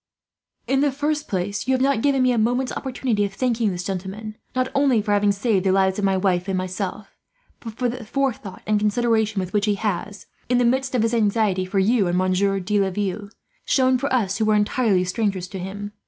"In the first place, you have not given me a moment's opportunity of thanking this gentleman; not only for having saved the lives of my wife and myself, but for the forethought and consideration with which he has, in the midst of his anxiety for you and Monsieur de Laville, shown for us who were entire strangers to him.